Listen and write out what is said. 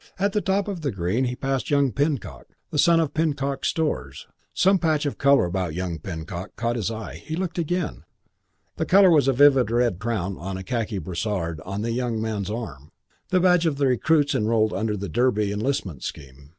At the top of the Green he passed young Pinnock, the son of Pinnock's Stores. Some patch of colour about young Pinnock caught his eye. He looked again. The colour was a vivid red crown on a khaki brassard on the young man's arm. The badge of the recruits enrolled under the Derby enlistment scheme.